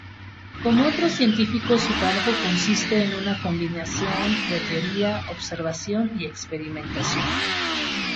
Como otros científicos su trabajo consiste en una combinación de teoría, observación y experimentación.